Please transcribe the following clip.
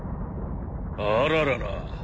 あららら。